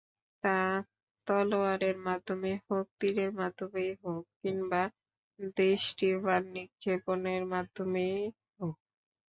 তা তলোয়ারের মাধ্যমেই হোক, তীরের মাধ্যমেই হোক কিংবা দৃষ্টি-বাণ নিক্ষেপণের মাধ্যমেই হোক।